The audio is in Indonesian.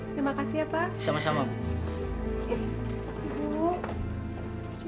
terima kasih ratu wakil